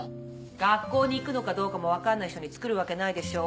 学校に行くのかどうかも分かんない人に作るわけないでしょ？